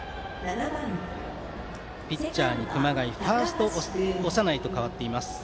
ピッチャーに熊谷ファースト、長内と変わっています。